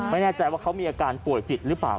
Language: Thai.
ไม่แน่ใจว่าเขามีอาการป่วยจิตหรือเปล่า